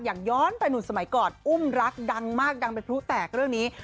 ย้อนไปหนุ่นสมัยก่อนอุ้มรักดังมากดังเป็นพลุแตกเรื่องนี้